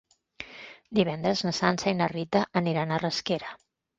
Divendres na Sança i na Rita aniran a Rasquera.